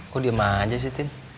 kok diema aja sih tin